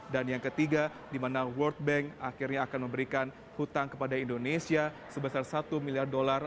dan yang ketiga dimana world bank akhirnya akan memberikan hutang kepada indonesia sebesar satu miliar dolar